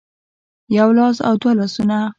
يو لاس او دوه لاسونه